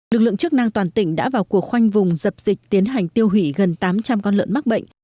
lực lượng chức năng toàn tỉnh đã vào cuộc khoanh vùng dập dịch tiến hành tiêu hủy gần tám trăm linh con lợn mắc bệnh